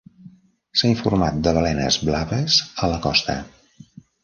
S'ha informat de balenes blaves a la costa.